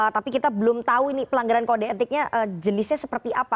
tapi kita belum tahu ini pelanggaran kode etiknya jenisnya seperti apa